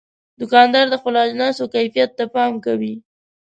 دوکاندار د خپلو اجناسو کیفیت ته پام کوي.